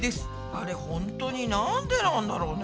あれほんとになんでなんだろうね？